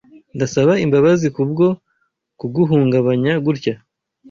Ndasaba imbabazi kubwo kuguhungabanya gutya.